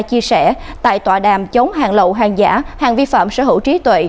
chia sẻ tại tòa đàm chống hàng lậu hàng giả hàng vi phạm sở hữu trí tuệ